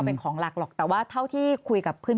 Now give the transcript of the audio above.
แต่ได้ยินจากคนอื่นแต่ได้ยินจากคนอื่น